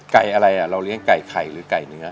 ไก่อะไรเราเลี้ยงไก่ไข่หรือไก่เนื้อ